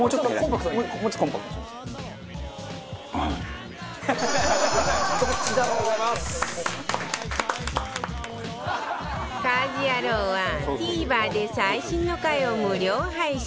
『家事ヤロウ！！！』は ＴＶｅｒ で最新の回を無料配信中